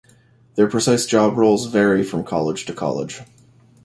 Their precise job roles vary from college to college.